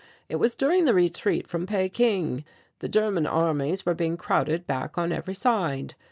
"It was during the retreat from Peking. The German armies were being crowded back on every side.